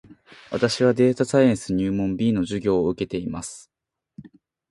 私はデータサイエンス入門 B の授業を受けています